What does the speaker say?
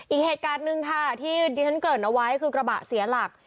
อีกเหตุการณ์หนึ่งค่ะที่ดิฉันเกิดเอาไว้คือกระบะเสียหลัก